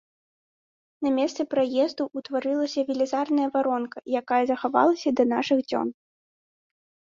На месцы праезду ўтварылася велізарная варонка, якая захавалася да нашых дзён.